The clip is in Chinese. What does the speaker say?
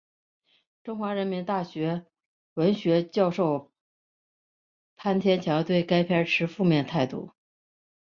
中国人民大学文学院教授潘天强对该片持负面态度。